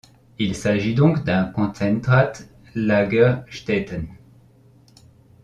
Il s'agit donc d'un Konzentrat-Lagerstätten.